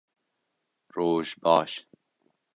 - Roj baş.